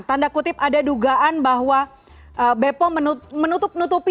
tanda kutip ada dugaan bahwa bepom menutup menutupi kemampuan kematian tersebut